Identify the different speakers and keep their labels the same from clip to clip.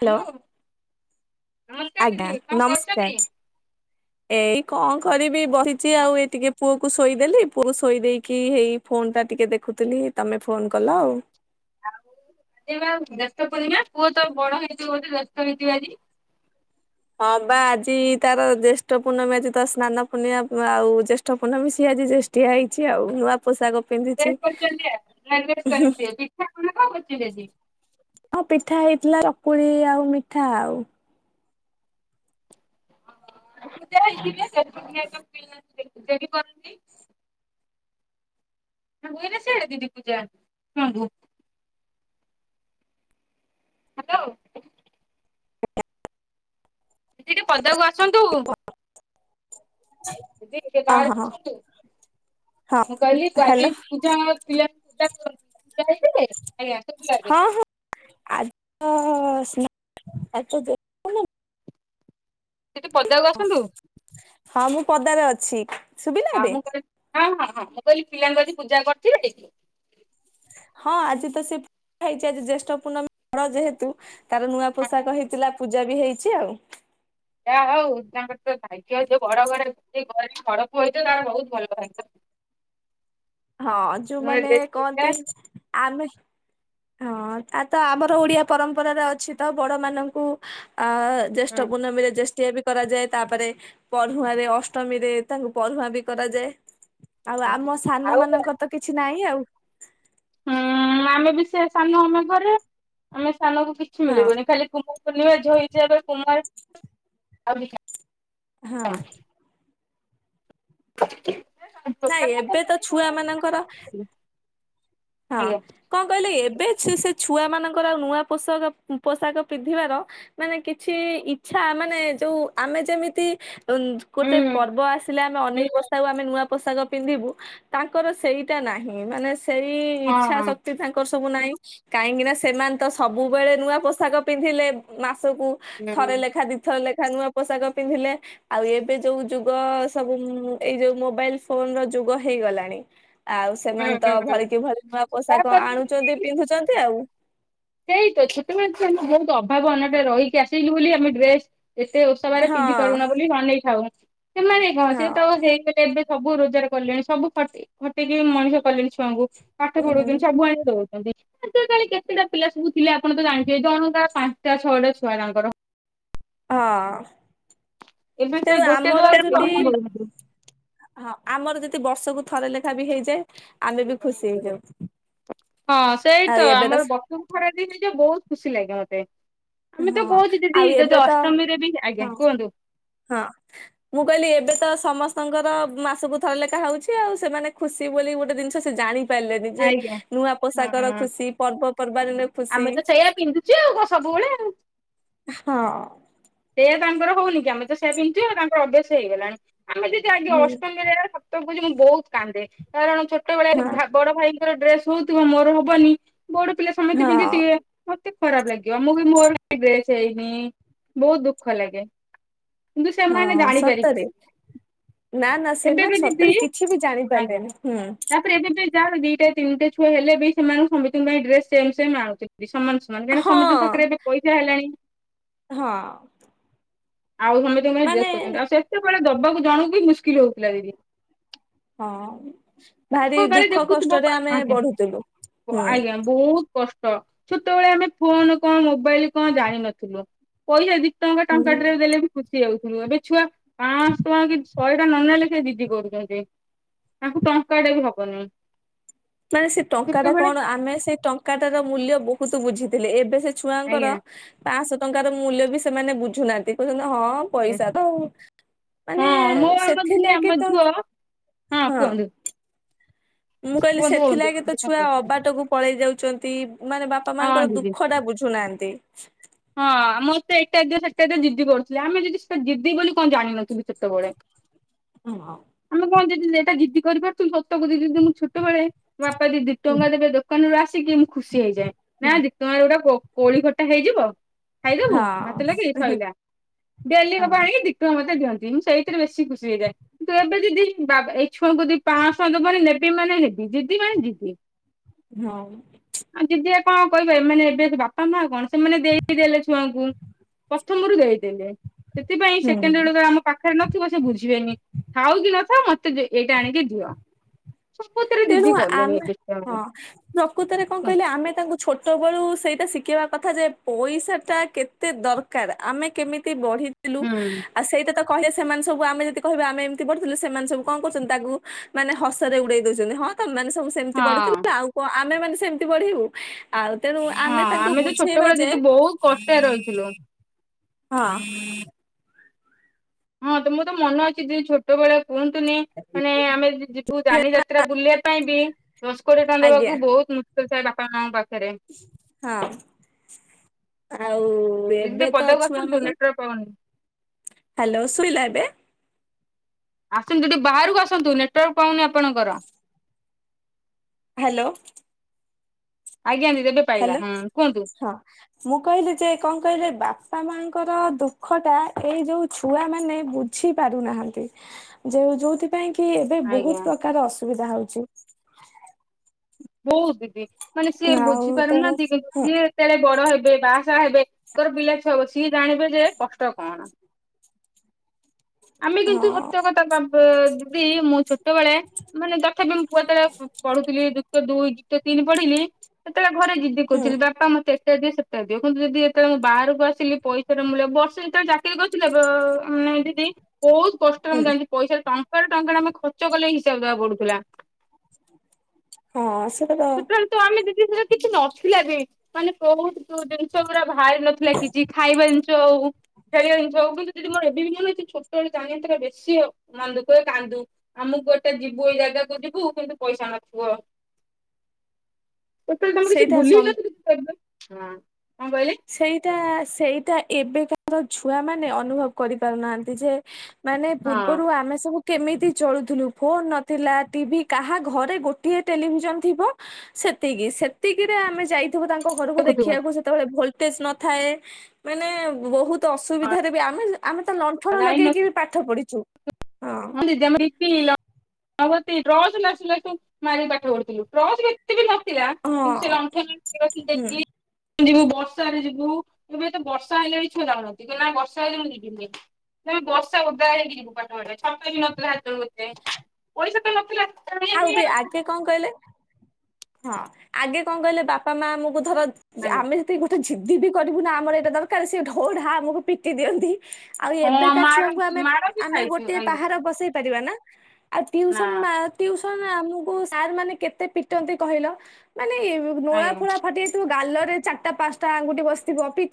Speaker 1: Hello ଆଜ୍ଞା ନମସ୍କାର ଏଇ। କଁ କରିବି ବସିଛି ଆଉ ଏଇ ଟିକେ ପୁଅକୁ ଶୋଇଦେଲି ପୁଅକୁ ଶୋଇ ଦେଇକି ହେଇ ଫୋନ ଟା ଟିକେ ଦେଖ ଖୁଥିଲି ତମେ ଫୋନ କଲ ଆଉ।
Speaker 2: ଆଜି ବା ଜେଷ୍ଟ ପୂର୍ଣ୍ଣିମା ପୁଅ ତ ବଡ ହେଇଥିବ ଯଦି ଜେଷ୍ଟ ହେଇଥିବ ଆଜି।
Speaker 1: ହଁ ବା ଆଜି ତାର ଯେଷ୍ଟ ପୂର୍ଣ୍ଣମୀ ଆଜି ତ ସ୍ନାନ ପୂର୍ଣିମା ଆଉ ଜେଷ୍ଠ ପୂର୍ଣମୀ ସିଏ ଆଜି ଜେଷ୍ ଜେଷ୍ଟିଆ ହେଇଛି ଆଉ ନୂଆ ପୋଷାକ। ପିନ୍ଧିଛି
Speaker 2: ଡ୍ରେସ ପେଣ୍ଟ କେମତିଆ ନା ପିଠା କଣ କଣ କରିଛନ୍ତି ଆଜି।
Speaker 1: ହଁ ପିଠା ହେଇଥିଲା ଚକୁଳି ଆଉ ମିଠା ଆଉ।
Speaker 2: ଆଉ ପୂଜା ହେଇଥିବେ ଜେଷ୍ଟ ପୂର୍ଣ୍ଣିମାରେ ବା ପିଲାଙ୍କୁ ପୂଜା। ବି କରନ୍ତି। ନାଁ ହୁଏ ନା ସିଆଡେ ଦିଦି ପୂଜା ଛୁଆଙ୍କୁ। ହା ଲୋ। ଦିଦି ଟିକେ ପଦାକୁ ଆସନ୍ତୁ। ଦି ଦି ଟିକେ
Speaker 1: ଅ ହଁ
Speaker 2: ବାହାରକୁ
Speaker 1: ହଁ
Speaker 2: ଯାଆନ୍ତୁ।
Speaker 1: ହଁ
Speaker 2: ମୁଁ କହିଲି ଆଜି
Speaker 1: ହ୍ୟାଲୋ
Speaker 2: ପୂଜା ପିଲାଙ୍କୁ ପୂଜା କରନ୍ତି ପୂଜା ହେଇଥିଲେ। ଆଜ୍ଞା ଶୁଭିଲା ଏବେ
Speaker 1: ହଁ ହଁ [inaudible]
Speaker 2: ଟିକେ ପଦାକୁ ଆସନ୍ତୁ।
Speaker 1: ହଁ ମୁଁ ପଦାରେ ଅଛି। ଶୁଭିଲା
Speaker 2: ହଁ
Speaker 1: ଏବେ?
Speaker 2: ମୁଁ କହିଲି ହଁ ହଁ ହଁ ମୁଁ କହିଲି ପିଲାଙ୍କୁ ଆଜି ପୂଜା କରିଥିବେ।
Speaker 1: ହଁ ଆଜି ତ ସେ ପୂଜା ହେଇଛି ଆଜି ଜ୍ୟେଷ୍ଠ ପୂର୍ଣ୍ଣମୀ ବଡ ଯେହେତୁ। ତାର ନୂଆ ପୋଷାକ
Speaker 2: ହଁ।
Speaker 1: ହେଇଥିଲା ପୂଜା ବି ହେଇଛି ଆଉ।
Speaker 2: ଯା ହଉ ତାଙ୍କର ତ ଭାଗ୍ୟ ଯୋଉ ବଡ ଘରେ ଯିଏ ଘରେ ବଡ ପୁଅ ହେଇଥିବ ତାର ବହୁତ ଭଲ ଭାଗ୍ୟ।
Speaker 1: ହଁ
Speaker 2: ନୂଆ
Speaker 1: ଯୋଉମାନେ
Speaker 2: ଡ୍ରେସ୍ ହେଇଥିଲା
Speaker 1: କହନ୍ତି ଆମେ। ହଁ ତା ତ ଆମର ଓଡିଆ ପରମ୍ପରାରେ ଅଛି ତ ବଡ ମାନଙ୍କୁ। ଆ ଯେଷ୍ଟ
Speaker 2: ହୁଁ
Speaker 1: ପୂର୍ଣ୍ଣମୀ ମିରେ ଜେଷ୍ ଷ୍ଟିଆ ବି କରାଯାଏ ତାପରେ ପଢୁଆଁ ରେ ଅଷ୍ଟମୀ ରେ ତାଙ୍କୁ ପଢୁଆଁ ବି କରାଯାଏ। ଆଉ ଆମ ସାନ
Speaker 2: ଆଉ
Speaker 1: ମାନଙ୍କ ତ କିଛି ନାହିଁ ଆଉ।
Speaker 2: ହୁଁ ଆମେ ବି ସେୟା ସାନ ଆମେ ଘରେ ଆମେ ସାନକୁ କିଛି
Speaker 1: ହଁ
Speaker 2: ମିଳିବନି ଖାଲି କୁମାର ପୂର୍ଣ୍ଣିମା ଝିଅ ହେଇଛେ ଯେତେବେଳେ କୁମାର
Speaker 1: ହଁ।
Speaker 2: ନାହିଁ। ଆଜ୍ଞା
Speaker 1: ନାଇଁ
Speaker 2: ହୁଁ
Speaker 1: ଏବେ ତ ଛୁଆମାନଙ୍କର ହଁ କଣ କହିଲେ ଏବେ ସେ ଛୁ ଛୁଆ ମାନଙ୍କର ଆଉ ନୂଆ ପୋଷାକ ପୋଷାକ ପିନ୍ଧିବାର ମାନେ କିଛି ଇଚ୍ଛା ମାନେ ଯୋଉ ଆମେ ଯେମିତି ଉଁ ଗୋଟେ ପର୍ବ ଆସିଲା। ଅନେକ ପୋଷାକ ଆମେ ନୂଆ ପୋଷାକ ପିନ୍ଧିବୁ ତାଙ୍କର ସେଇଟା ନାହିଁ ମାନେ ସେଇ।
Speaker 2: ହଁ
Speaker 1: ଇଚ୍ଛା
Speaker 2: ହଁ।
Speaker 1: ଶକ୍ତି ତାଙ୍କର ନାଇ କାହିଁକିନା ସେମାନେ ତ ସବୁବେଳେ ନୂଆ ପୋଷାକ ପିନ୍ଧିଲେ ମା ସବୁ
Speaker 2: ହୁଁ
Speaker 1: ଥରେ ଲେଖା ଦି ଥର ଲେ ନୂଆ ପୋଷାକ ପିନ୍ଧିଲେ ଆଉ ଏବେ ଯୋଉ ଯୁଗ ସବୁ ଏଇ ଯୋଉ ମୋବାଇଲ ଫୋନର ଯୁ ଯୁଗ ହେଇଗଲାଣି। ଆଉ
Speaker 2: ହୁଁ
Speaker 1: ସେମାନେ ତ
Speaker 2: ହୁଁ ହୁଁ
Speaker 1: ଭଳ କିି ଭଳି ନୂଆ ପୋଷାକ
Speaker 2: ତାପରେ ବି
Speaker 1: ଆଣୁଛନ୍ତି ପିନ୍ଧୁଛନ୍ତି ଆଉ।
Speaker 2: ସେଇ ତ ଛୋଟ [unintelligible] ବହୁତ ଅଭାବ ଅନାଟ ରହିକି ଆସିଲୁ ବୋଲି ଆମେ ଡ୍ରେସ ଏତେ ଓଷବାରେ ପିନ୍ଧି
Speaker 1: ହଁ
Speaker 2: ପାରୁନ ବୋଲି ମନେଇ ଥାଉ ସେମାନେ କଣ ସିଏତ
Speaker 1: ହଁ
Speaker 2: ହେଇଗଲେ ଏବେ ସବୁ ରୋଜଗାର କଲେଣି ସବୁ ଖ- ଖଟିକି ମଣିଷ କଲେଣି ଛୁଆଙ୍କୁ ପାଠ
Speaker 1: ହୁଁ
Speaker 2: ପଢୁଛନ୍ତି ସବୁ ଆଣି ଦଉ [unintelligible] କେତିଟା ପିଲା ସବୁ ଥିଲେ ଆପଣ ତ ଜାଣିଥିବେ ଜଣଙ୍କା ପାଞ୍ଚଟା ଛଅଟା ଛଆ ତାଙ୍କର
Speaker 1: ହଁ
Speaker 2: ଏବେ ସେ
Speaker 1: ତେଣୁ
Speaker 2: ଗୋଟେ
Speaker 1: ଆମର
Speaker 2: ଦୁଆକୁ
Speaker 1: ଯଦି
Speaker 2: ଅସମ୍ଭବ
Speaker 1: ହଁ ଆମର ଯଦି ବର୍ଷକୁ ଥରେ ଲେଖା ବି ହେଇଯାଏ ଆମେ ବି ଖୁସି ହେଇଯାଉ
Speaker 2: ହଁ
Speaker 1: ଆଉ
Speaker 2: ସେଇତ
Speaker 1: ଏବେ ତ
Speaker 2: ଆମର ବର୍ଷକୁ ଥରେ ହେଇଯିବ ବହୁତ ଖୁସି ଲାଗେ ମତେ ଆମେ ତ
Speaker 1: ହଁ
Speaker 2: କହୁଛୁ ଦିଦି
Speaker 1: ଆଉ ଏବେ
Speaker 2: ଯଦି
Speaker 1: ତ
Speaker 2: ଅଷ୍ଟମୀରେ ବି
Speaker 1: ହଁ
Speaker 2: ଆଜ୍ଞା କୁହନ୍ତୁ।
Speaker 1: ହଁ ମୁଁ କହିଲି ଏବେ ତ ସମ ଙ୍କର ମାସକୁ ଥରେ ଲେଖା ହଉଛି ଆଉ ସେମାନେ ଖୁସି ବୋଲି ଗୋଟେ ଜିନିଷ ସେ ଜାଣି ପାରିଲେନି ଯେ
Speaker 2: ଆଜ୍ଞା
Speaker 1: ନୂଆ ପୋଷାକର
Speaker 2: ହଁ
Speaker 1: ଖୁସି ପର୍ବପର୍ବାଣିର ଖୁସି
Speaker 2: ଆମେ ତ ସେଇଆ ପିନ୍ଧୁଛୁ ଆଉ କଣ ସବୁବେଳେ ଆଉ
Speaker 1: ହଁ।
Speaker 2: ଏଇ ତାଙ୍କର ହଉନି କି ଆମେ ସେ ପିନ୍ଧୁିବ ତାଙ୍କର ଅଭ୍ୟାସ ହେଇଗଲାଣି ଆମେ ଯଦି ଆଗେ
Speaker 1: ହୁଁ
Speaker 2: ଅଷ୍ଟମୀରେ ଫ ମୁଁ ବହୁତ କାନ୍ଦେ କାରଣ ଛୋଟବେଳେ
Speaker 1: ହଁ
Speaker 2: ଭା ବଡ ଭାଇଙ୍କର ଡ୍ରେସ ହଉଥିବ ମୋର ହବନି ବୋଡ ପିଲା ସମସ୍ତେ
Speaker 1: ହଁ
Speaker 2: ପିନ୍ଧିଥିବେ ମତେ ଖରାପ ଲାଗିବ ମୁଁ ବି ମୋର ଡ୍ରେସ ହେଇନି ବହୁତ ଦୁଃଖ ଲାଗେ କିନ୍ତୁ ସେମାନେ
Speaker 1: ହଁ
Speaker 2: ଜାଣିପାରିବେ
Speaker 1: ସତରେ ନା ନା ସେମାନେ
Speaker 2: ଏବେବି ଯିବି
Speaker 1: ସତରେ କିଛି ବି ଜାଣି
Speaker 2: ଆଜ୍ଞା
Speaker 1: ପାରିଲେନି ହୁଁ
Speaker 2: ତାପରେ ଏବେବି ଯାହାର ଦିଟା ତିନିଟା ଛୁଆ ହେଲେ ବି ସେମାନଙ୍କୁ ସମତିଙ୍କ ପାଇଁ ଡ୍ରେସ ସେମ୍ ସେମ୍ ଆଣୁଛନ୍ତି। ସମାନ ସମାନ କାରଣ ସମେତଙ୍କ
Speaker 1: ହଁ।
Speaker 2: ପାଖରେ ଏବେ ପଇସା ହେଲାଣି।
Speaker 1: ହଁ।
Speaker 2: ଆଉ ସମସ୍ତ ଡ୍ରେସ
Speaker 1: ମାନେ
Speaker 2: କରିଛନ୍ତି ଆଉ ସେତେବେଳେ ଦବାକୁ ଜଣକୁ ବି ମୁସ୍କିଲ ହଉଥିଲା ଦିଦି।
Speaker 1: ହଁ ଭାରି
Speaker 2: ଆଗ କାଳେ
Speaker 1: ଦୁଃଖ
Speaker 2: ଦେଖୁଥିବ
Speaker 1: କଷ୍ଟରେ ଆମେ
Speaker 2: ଆଜ୍ଞା
Speaker 1: ବଢୁଥିଲୁ। ହୁଁ
Speaker 2: ଆଜ୍ଞା ବହୁତ କଷ୍ଟ। ହ ଛୋଟବେଳେ ଆମେ ଫୋନ କଣ ମୋବାଇଲ କଣ ଜାଣିିନଥିଲୁ ପଇସା ଯ ଟଙ୍କା ଟଙ୍କା
Speaker 1: ହୁଁ
Speaker 2: ଟରେ ଦେଲେ ବି ଖୁସି ଯାଉଥିଲୁ ଏବେ ଛୁଆ ପାଆଁଶହ କି ପଇଟା ନ ନେଲେ ସେ ଦିଦି କରୁଛନ୍ତି ତାଙ୍କୁ ଟଙ୍କା ଟେ ବି ହବନି।
Speaker 1: ମାନେ ସେ ଟଙ୍କାଟା
Speaker 2: ସେତେବେଳେ
Speaker 1: କଣ ଆମେ ସେ ଟଙ୍କାଟ ର ମୂଲ୍ୟ ବହୁତ ବୁଝିଥିଲେ ଏବେ ସେ
Speaker 2: ଆଜ୍ଞା
Speaker 1: ଛୁଆଙ୍କର ପାଞ୍ଚଶହ ଟଙ୍କାର ମୂଲ୍ୟ ବି ସେମାନେ ବୁଝୁନାହାନ୍ତି କହୁଛ ହଁ ପଇସା ତ
Speaker 2: ହଁ
Speaker 1: ମାନେ
Speaker 2: ମୋ ଆମ ଦିଦି ଆମ
Speaker 1: ସେଥିଲାଗି ତ
Speaker 2: ଝୁଅ ହଁ କୁହନ୍ତୁ।
Speaker 1: ମୁଁ କହିଲି
Speaker 2: କୁହନ୍ତୁ କୁହନ୍ତୁ
Speaker 1: ସେଥିଲାଗି ତ
Speaker 2: କୁହନ୍ତୁ କଣ
Speaker 1: ଛୁଆ
Speaker 2: କହୁଥିଲେ?
Speaker 1: ଅବାଟକୁ ପଳେଇ ଯାଉଛନ୍ତି। ମାନେ ବାପା
Speaker 2: ହଁ
Speaker 1: ମାନଙ୍କର
Speaker 2: ଦିଦି
Speaker 1: ଦୁଃଖ ଟା ବୁଝୁନାହାନ୍ତି।
Speaker 2: ହଁ ମତେ ଏଟା ଦିଏ ସେଟା ଦିଅ ଜିଦି କରୁଥିଲେ ଆମେ ଯଦି ସେଟା ଜିଦି ବୋଲି କଣ ଜାଣିନଥିଲୁ ସେତେବେଳେ।
Speaker 1: କୁହ।
Speaker 2: ଆମେ କଣ ଯଦି ଏଇଟା ଜିଦି କରି ପାରୁଥୁଲୁ ସତ କହୁଚି ଯଦି ମୁଁ ଛୋଟବେଳେ ବାପା ଯଦି ଦି ଟଙ୍କା ଦେବେ ଦୋକାନରୁ ଆସ କି ମୁଁ ଖୁସି ହେଇଯାଏ ନା ଦି ଟଙ୍କାରେ ଗୋଟେ କୋ-କୋଳି ଖଟା ହେଇଯିବ। ଖାଇଦବୁ
Speaker 1: ହଁ।
Speaker 2: ଭାତେ ଲଗେ ଶୋଇଲା ବଆଲି କପ
Speaker 1: ହଁ
Speaker 2: ଆଣିକି ଦିଇ ଟଙ୍କା ମତେ ଦିଅନ୍ତୁ। ମୁଁ ସେଇଥିରେ ବେଶୀ ଖୁସି ହେଇଯାଏ। କିନ୍ତୁ ଏବେ ଯଦି ବାବା ଏଇ ଛୁଆଙ୍କୁ ଦି ପାଂଶ ଟଙ୍କା ଦବୁହାରି ନେବି ମନେ ନେବି ଜିଦି ମାନେ ଜିିଦି
Speaker 1: ହଁ।
Speaker 2: କଣ କହିବା ଏମାନେେ ଏବେ ବାପା ମା କଣ ସେମାନେ ଦେଇ ଦେଲେ ଛୁଆଙ୍କୁ ପ୍ରଥମରୁ ଦେଇଦେଲେ ସେଥିପାଇଁ
Speaker 1: ହୁଁ
Speaker 2: ସେକେଣ୍ଡେଳଳେ ଆମ ପାଖରେ ନଥିବ ସେ ବୁଝିବେନି ଥାଉ କି ନଥାଉ ମତେ ମତେ ଏଇଟା ଆଣିକି ଦିଅ ସବୁଥିରେ
Speaker 1: ତେଣୁ
Speaker 2: ଦିଦି କଲେଣି
Speaker 1: ଆମେ
Speaker 2: ଏବେ
Speaker 1: ହଁ
Speaker 2: ଛୁଆମାନେ।
Speaker 1: ପ୍ରକୃତରେ କଣ
Speaker 2: ହୁଁ
Speaker 1: କହିଲେ ଆମେ ତାଙ୍କୁ ଛୋଟ ବେଳୁ ସେଇଟା ସି ଖେବା କଥା ଯେ ପଇସା ଟା କେତେ ଦରକାର ଆମେ କେମିତି ବଢି ଥିଲୁ ଆଉ ସେଇଟା ତ କହିଲେ ସେମାନେ ସବୁ ଆମେ ଯଦି କହିବା ଆମେ ଏମିତି ପଢୁଥିଲୁ। ସେମାନେ ସବୁ କଣ କରୁଛନ୍ତି। ତାକୁ ମାନେ ହସରେ ଉଡେଇ ଛନ୍ତି ହଁ ତମ ମାନେ ସବୁ ସେମିତି
Speaker 2: ହଁ
Speaker 1: ବଢିଥିଲ ଆଉ କଣ ଆମେ ମାନେ ସେମିତି ବଢିବୁ ଆଉ। ତେଣୁ
Speaker 2: ହଁ
Speaker 1: ଆମେ ତାଙ୍କୁ
Speaker 2: ତ
Speaker 1: ବୁଝେଇବା
Speaker 2: ଛୋଟବେଳେ
Speaker 1: ଯେ
Speaker 2: ଦିଦି
Speaker 1: [inaudible]
Speaker 2: ବହୁତ କଷ୍ଟରେ ରହିଥିଲୁ।
Speaker 1: ହଁ। [inaudible]
Speaker 2: ହଁ ତ ମୁଁ ତ ମନେ ଅଛି ଯେ ଛୋଟବେଳେ କୁହନ୍ତୁନି ମାନେ ଆମେ ଯିବୁ ଜାନି ଯାତ୍ରା ବୁଲିବା ପାଇଁ ବି ଦଶ କୋଡ଼ିଏ ଟଙ୍କା
Speaker 1: ଆଜ୍ଞା
Speaker 2: ଦେବାକୁ ବହୁତ ମୁସ୍କିଲ ଥାଏ। ବାପା ମାଙ୍କ ପାଖ
Speaker 1: ହଁ। ଆଉ
Speaker 2: ଦିଦି ଟିକେ
Speaker 1: ଏବେ ତ
Speaker 2: ପଦାକୁ
Speaker 1: ଛୁଆ
Speaker 2: ଆସନ୍ତୁ
Speaker 1: ମାନଙ୍କୁ
Speaker 2: ନେଟୱାର୍କ ପାଉନି।
Speaker 1: ହାଲୋ ଶୁବିଲା ଏବେ
Speaker 2: ଆସନ୍ତୁ ଟିକେ ବାହାରକୁ ଆସନ୍ତୁ ନେଟୱାର୍କ ପାଉନି ଆପଣଙ୍କର
Speaker 1: ହାଲୋ।
Speaker 2: ଆଜ୍ଞା ଦିଦି ଏବେ ପାଇଲା
Speaker 1: ହାଲୋ
Speaker 2: ହଁ କୁହନ୍ତୁ।
Speaker 1: ହଁ ମୁଁ କହିଲି ଯେ କଣ କହିଲେ ବାପ ବାପା ମାଆଙ୍କର ଦୁଃଖ ଟା ଏଇ ଯୋଉ ଛୁଆ ମାନେ ବୁଝି ପାରୁନାହାନ୍ତି ଯେଉ ଯୋଉଥିପାଇଁ କି ଏବେ
Speaker 2: ଆଜ୍ଞା
Speaker 1: ବହୁତ ପ୍ରକାର ଅସୁବିଧା ହୋଉଚି।
Speaker 2: ବହୁତ ଦିଦି ମାନେ ସିଏ
Speaker 1: ଆଉ ତେଣୁ
Speaker 2: ବୁଝିପାରୁନାହାନ୍ତି କିନ୍ତୁ
Speaker 1: ହୁଁ
Speaker 2: ସିଏ ଯେତେଳେ ବଡ ହେବ ସେ ବାହାସାହା ହେବେ ତାଙ୍କର ପିଲା ଛୁଆ ହେବେ ସିଏ ଜାଣିବେ ଯେ କଷ୍ଟ କଣ? ଆମେ
Speaker 1: ହଁ
Speaker 2: କିନ୍ତୁ ହତ୍ୟ କଥା କାମ୍ପ ଦିଦି ମୁଁ ଛୋଟବେଳେ ମାନେ ତଥାପି ମୁ ଯେତେବେଳେ ପଢୁଥିଲି ଯୁକ୍ତ ଦୁଇ ଯୁକ୍ତ ତିନି ପଢ଼ିଲି ସେତେବେଳେ ଘରେ ଜିଦି
Speaker 1: ହୁଁ
Speaker 2: କରୁଥିଲି ବାପା ମତେ ସେ ଦି ସେତଟା ଦିଅ କିନ୍ତୁ ଯଦି ଯେତେବେଳେ ମୁଁ ବାହାରକୁ ଆସିଲି ପଇସାର ମୂଲ୍ୟ ବର୍ଷ ଯେତେବେଳେ ଚାକିରି କରିୁଥିଲି ଏବେ ଏ ଦିଦି ବହୁତ କଷ୍ଟରେ
Speaker 1: ହୁଁ
Speaker 2: ମୁଁ ଜାଣିଚି ପଇସା ଟା ଟ ସେତେଳେ ଟଙ୍କା ଟେ ଆମେ ଖର୍ଚ୍ଚ କଲେ ହିସାବ ଦବା କୁ ପଡୁଥିଲା।
Speaker 1: ହଁ ସ
Speaker 2: ସେତେଳେ ତ ଆମେ ଦଦି ସେ କିଛି ନଥିଲା ବି ମାନେ ବହୁତ ଜିନିଷ ଗୁଡା ବାହାରି ନଥିଲା କିଛି ଖାଇବା ଜିନିଷ ହୋଉ ଖେଳିବା ଜିନିଷ ହଉ କିନ୍ତୁ ଦିଦି ମୋର ଏବେ ବି ମନେଅଛି ଛୋଟବେଳେ ଜାଣତ୍ୟ ବେଶୀ ମନ୍ଦ ଦୁଃଖ ହୁଏ କାନ୍ଦ ଦୋଉ ଆମକୁ ଗୁଟେ ଯିବୁ ଏଇ ଜାଗାକୁ ଯିବୁ କିନ୍ତୁ ପଇସା ନଥିବ। ଟୋଟାଲ ତମେ କିଛି
Speaker 1: ସେଇଟା ସମ
Speaker 2: ବୁଲିଲନି ହଁ। କଣ କହିଲେ?
Speaker 1: ସେଇଟା ସେଇଟା ଏବେକା ର ଛୁଆ ମାନେ ଅନୁଭବ କରି ପାରୁନାହାନ୍ତି। ଯେ ମାନେ
Speaker 2: ହଁ
Speaker 1: ପୂର୍ବରୁ ଆମେ ସବୁ କେମିତି ଚଳୁଥିଲୁ ଫୋନ ନଥିଲା ଟିଭି କାହା ଘରେ ଗୋଟିଏ ଟେଲିଭିଜନ ଥିବ ସେ ସେତିକି ସେତିକିରେ ଆମେ ଯାଇଥିବୁ ତାଙ୍କ ଘରକୁ
Speaker 2: ଦେଖୁଥିବ
Speaker 1: ଦେଖିବାକୁ ସେତେବେଳେ ଭଲ ତେଜ ନଥାଏ ମାନେ ବହୁତ ଅସୁବିଧାରେ ବି ଆମେ ଆମେ ତ ଲଣ୍ଠଣ
Speaker 2: ଲାଇନ
Speaker 1: ଲଗେଇକି ବି ପାଠ ପଢିଛୁ।
Speaker 2: ହଁ ଦିଦି ଆମ ରି ପି ଲ ମହମବତୀ ଟ୍ରଚ [unintelligible] ମାରି ପାଠ ପଢିଥିଲୁ ଟ୍ରଚ ବି ଏତେ ବି ନ ଥିଲା କିନ୍ତୁ ସେ
Speaker 1: ହଁ
Speaker 2: ଲଣ୍ଠଣ କିରୋସିନି ଦେଇକି
Speaker 1: ହୁଁ
Speaker 2: ଯିବୁ ବର୍ଷାରେ ଯିବୁ ଏବେ ତ ବର୍ଷା ହେଲେ ଛୁଆ ଯାଉନାହାନ୍ତି କେନ୍ନା ନା ବର୍ଷାଇଲାଣି ଯିବିନି ନାଇଁ ବର୍ଷା ଉଦା ହେଇକି ଯିବୁ ପାଠ ପଢିବାକୁ ଛତା ବି ନଥିଲା ସେତେବେଳେ ଏତେ ପଇଶା ତ ନଥିଲା
Speaker 1: ଆଉ ବି ଆଗେ କଣ କହିଲେ, ହଁ ଆଗେ କଣ କହିଲେ ବାପା ମା ଆମକୁ ଧର
Speaker 2: ଆଜ୍ଞା
Speaker 1: ଆମେ ସେତିକି ଗୋଟେ ଜିଦ୍ଦି ବି କରିବୁ ନା ଆମର ଏଇଟା ଦରକାର ସେ ଢୋଢା ଆମକୁ ପିଟି ଦିଅନ୍ତି। ଆଉ
Speaker 2: ହଁ
Speaker 1: ଏବେକା ଛୁଆଙ୍କୁ
Speaker 2: ମାରନ୍ତି
Speaker 1: ଆମେ
Speaker 2: ମାଡ ବି
Speaker 1: ଆମେ
Speaker 2: ଖାଇଛୁ
Speaker 1: ଗୋଟେ
Speaker 2: ଆଜ୍ଞା
Speaker 1: ପାହାର ବସେଇ ପାରିବା ନା ଆଉ
Speaker 2: ନା
Speaker 1: ଟ୍ୟୁସନ ମା ସନ ଆମକୁ ସାର୍ ମାନେ କେତେ ପିଟନ୍ତି କହିଲ, ମାନେ ନୋଳା
Speaker 2: ଆଜ୍ଞା
Speaker 1: ଫୋଳା ଫାଟି ଯାଇଥିବ ଗାଲ ରେ ଚାରଟା ପାଞ୍ଚଟା ଆଙ୍ଗୁଠି ବସିଥିବ ପି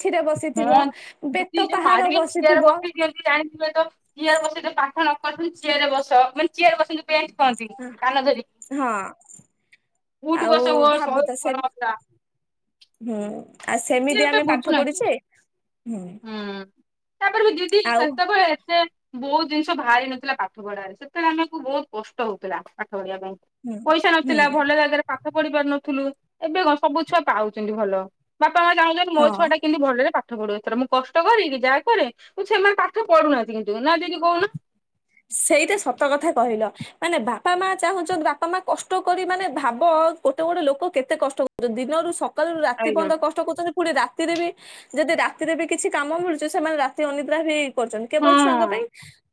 Speaker 2: ହଁ ଦିଦି ଯୋଉ ମାରିବେ
Speaker 1: ବସିଥିବ
Speaker 2: ଚିଆରେ ବସେଇଦିଅନ୍ତି ଜାଣିଥିବେ ତ ଚିଆର ବସେଇ ତ ପାଠ ନ ଥିଲେ ଚେୟାରେ ବସ ମାନେ ଚେୟାରରେ ବସିକି ପେଣ୍ଟ କହନ୍ତି କାନ ଧରିକି।
Speaker 1: ହଁ
Speaker 2: ଉଠ
Speaker 1: ଆଉ
Speaker 2: ବସ ହୁଅ
Speaker 1: ଭାବୁ
Speaker 2: ଶହେ
Speaker 1: ତ ସେ
Speaker 2: ଥର ପୁରା।
Speaker 1: ହୁଁ ଆ
Speaker 2: ସିଏ
Speaker 1: ସେମିତି
Speaker 2: ଏବେ
Speaker 1: ଆମେ ପାଠ
Speaker 2: ବୁଝୁନାହାନ୍ତି।
Speaker 1: ପଢିଛେ।
Speaker 2: ହୁଁ ତାପରେ ବି ଦିଦି
Speaker 1: ଆଉ
Speaker 2: ସେତେବେଳେ ଏତେ ବହୁତ ଜିନିଷ ବାହାରି ନଥିଲା ପାଠ ପଢାରେ ସେତେବେଳେ ଆମକୁ ବହୁତ କଷ୍ଟ ହଉଥିଲା, ପା ଢିବା ପାଇଁ,
Speaker 1: ହୁଁ
Speaker 2: ପଇସା
Speaker 1: ହୁଁ
Speaker 2: ନଥିଲା ଭଲ ଜାଗାରେ ପାଠ ପାଠ ପଢି ପାରୁ ନଥିଲୁ, ଏବେ କଣ ସବୁ ଛୁଆ ପାଉଛନ୍ତି ଭଲ, ବାପ ମା ଚାହୁଁଛନ୍ତି ମୋ
Speaker 1: ହଁ।
Speaker 2: ଛୁଆଟା କେମତି ଭଲରେ ପାଠ ପଢୁ ଏଥର। କଷ୍ଟ କରେ କିି ଯାହା କରେ, ସେମାନେ ପାଠ ପଢୁନାହାନ୍ତି କିନ୍ତୁ ନା ଦିଦି କହୁନ।
Speaker 1: ସେଇଟା ସତ କଥା କହିଲ, ମାନେ ବାପା ମା ଚାହୁଁଛନ୍ତି ବାପା ମା କଷ୍ଟ କରି ମାନେ ଭାବ ଗୋଟେ ଗୋଟେ ଲୋକ କେତେ କଷ୍ଟ କରୁଛନ୍ତି ଦିନରୁ ସକାଳୁ ରାତି
Speaker 2: ଆଜ୍ଞା।
Speaker 1: ପର୍ଯ୍ୟନ୍ତ କଷ୍ଟ କରୁଛନ୍ତି ପୁଣି ରାତିରେ ବି ଯଦି ରାତିରେ ବି କିଛି କାମ ମିଳୁଛି ସେମାନେ ରାତି ଅନିଦ୍ରା ହୋଇ କରୁଛନ୍ତି
Speaker 2: ହଁ
Speaker 1: କେବଳ ଛୁଆଙ୍କ ପାଇଁ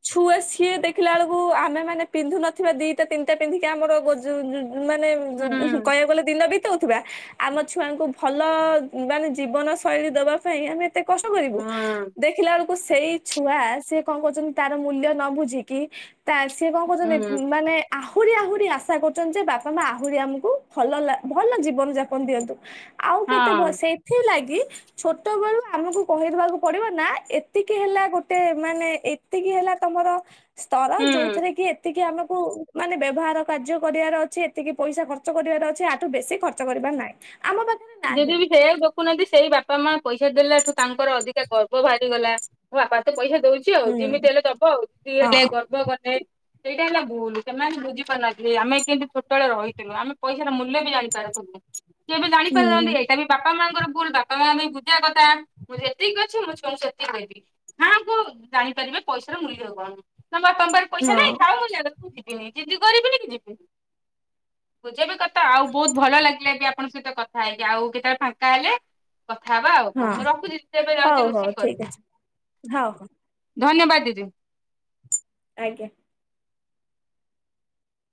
Speaker 1: ଛୁଆ ସି କିଏ ଦେଖିଲା ବେଳକୁ ଆମେମାନେ ପିନ୍ଧୁ ନଥିବା ଦିଇଟା ତିନିଟା ପିନ୍ଧିକି ଆମର ଗଜୁ ଜୁ ମାନେ ଜୁ
Speaker 2: ହୁଁ
Speaker 1: କହିବାକୁ ଗଲେ ଦିନ ବି ଦଉଥିବା ଆମ ଛୁଆଙ୍କୁ ଭଲ ମାନେ ଜୀବନ ଶୈଳୀ ଦବା ପାଇଁ ଆମେ ତେ କଷ୍ଟ କରିବୁ,
Speaker 2: ହୁଁ
Speaker 1: ଦେଖିଲା ବେଳକୁ ସେଇ ଛୁଆ ସିଏ କଣ କରୁଛନ୍ତି ତାର ମୂଲ୍ୟ ନ ବୁଝି ଝିକି ତା ସିଏ କଣ
Speaker 2: ହୁଁ
Speaker 1: କରୁଛନ୍ତି ମାନେ ଆହୁରି ଆହୁରି ଆଶା କରୁଛନ୍ତି ଯେ ବାପା ମା ଆହୁରି ଆମକୁ ଭଲ ଲା ଭଲ ଜୀବନ ଯାପନ ଦିଅନ୍ତୁ। ଆଉ କେତେ ଭ
Speaker 2: ହଁ
Speaker 1: ସେଇଥି ଲାଗି କି ଛୋଟ ବେଳୁ ଆମକୁ କହିଦବାକୁ ପଡିବ ନା ଏତିକି ହେଲା ଗୋଟେ ମାନେ ଏତିକି ହେଲା ତମର ସ୍ତର
Speaker 2: ହୁଁ।
Speaker 1: ଯଉଥିରେ କି ଏତିକି ଆମେ କୁ ମାନେ ବ୍ୟବହାର କାର୍ଯ୍ୟ କରିବାର ଅଛି, ଏତିକି ପଇସା ଖର୍ଚ୍ଚ କରିବାର ଅଛି ଆଠୁ ବେଶି ଖର୍ଚ୍ଚ କରିବାର ନାହିଁ। ଆମ ପାଖରେ ନାହିଁ
Speaker 2: ଯଦି ବି ସେଇଆକୁ ଦେଖୁନାହାନ୍ତି ସେଇ ବାପା ମା ପଇ ପଇସା ଦେଲା ଠୁ ତାଙ୍କର ଅଧିକା ଗର୍ବ ବାହାରିଗଲା ବାପା ତ ପଇସା ଦଉଛି, ଆଉ
Speaker 1: ହୁଁ
Speaker 2: ଯିମିତି ହେଲେ ଦବ ଆଉ, ଇଏ
Speaker 1: ହଁ
Speaker 2: ସେଥିପାଇଁ ଗର୍ବ କଲେ ସେଟା ହେଲା ଭୁଲ ସେମାନେ ବୁଝିପାରୁନାହାନ୍ତି ଯେ ଆମେ କେନ୍ତି ଛୋଟବେଳେ ରହିଥିଲୁ, ଆମେ ପଇସାର ମୂଲ୍ୟ ବି ଜାଣିପାରୁଥିଲୁ। କେବେ ଜାଣି ପାରିଲାନି
Speaker 1: ହୁଁ
Speaker 2: ଏଇଟା ବି ବାପା ମାଙ୍କର ଭୁଲ ବାପା ମା ବି ବୁଝିବା କଥା ମୁଁ ଯେତିକି ଅଛି ମୋ ଛୁଆଙ୍କୁ ସେତିକି ଦେବି, ହଁ କୁ ଜାଣିପାରିବି ପଇସାର ମୂଲ୍ୟକଣ, ତ ତମ ପାଖରେ
Speaker 1: ହଁ
Speaker 2: ପଇସା ନାଇଁ ଥାଉୁ ମୁଁ ଯା ଯିବିନି ଜିଦି କରିବିନି କି ଯିବିନି। ବୁଝିବା ବି କଥା, ଆଉ ବହୁତ ଭଲ ଲାଗିଲା ବି ଆପଣଙ୍କ ସହିତ କଥା ହେଇକି, ଆଉ କେତେବେଳେ ଫାଙ୍କା ହେଲେ କଥା ହେବା ଆଉ କଣ,
Speaker 1: ହଁ
Speaker 2: ମୁଁ ରଖୁଛି ଏବେ
Speaker 1: ହଉ
Speaker 2: ଯାଉଛି
Speaker 1: ହଉ
Speaker 2: ରୋଷେଇ
Speaker 1: ଠିକ
Speaker 2: କରିବି।
Speaker 1: ଅଛି ହଉ ହଉ
Speaker 2: ଧନ୍ୟବାଦ ଦିଦି।
Speaker 1: ଆଜ୍ଞା।